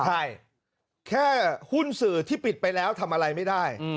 ใช่แค่หุ้นสื่อที่ปิดไปแล้วทำอะไรไม่ได้